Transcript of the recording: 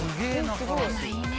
頭いいね。